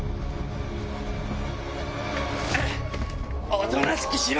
おとなしくしろ！